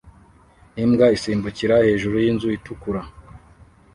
Imbwa isimbukira hejuru yinzu itukura